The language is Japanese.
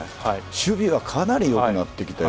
守備はかなり良くなってきたよ。